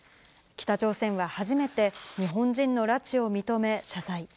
北朝鮮は初めて、日本人の拉致を認め、謝罪。